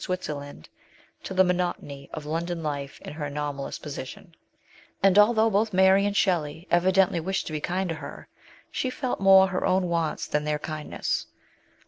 Switzerland to the monotony of London life in her anomalous position; and although both Mary and Shelley evidently wished to be kind to her, she felt more her own wants than their kindness.